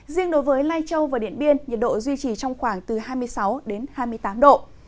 riêng đối với lai châu và điện biên nhiệt độ duy trì trong khoảng từ hai mươi sáu đến hai mươi tám độ